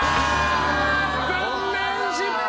残念、失敗！